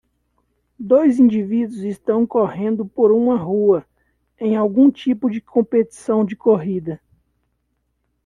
Dois indivíduos estão correndo por uma rua em algum tipo de competição de corrida.